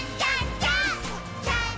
ジャンプ！！」